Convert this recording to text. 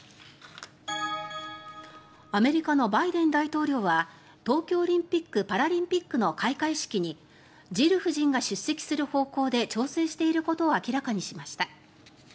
アメリカのバイデン大統領は東京オリンピック・パラリンピックの開会式にジル夫人が出席する方向で調整していることを明らかにしました。